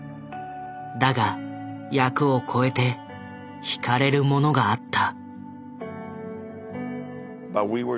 だが役を超えてひかれるものがあった。